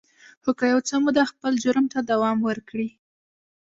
خو که یو څه موده خپل جرم ته دوام ورکړي